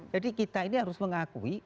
kita ini harus mengakui